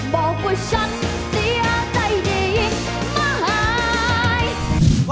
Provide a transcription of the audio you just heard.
บอกว่าฉันเสียใจได้อีกไม่